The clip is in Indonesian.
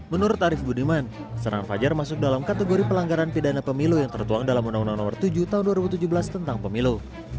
menurut arief budiman serangan fajar masuk dalam kategori pelanggaran pidana pemilu yang tertuang dalam undang undang nomor tujuh tahun dua ribu tujuh belas tentang pemilu